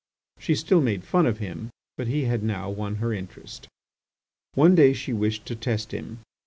She still made fun of him, but he had now won her interest. One day she wished to test him.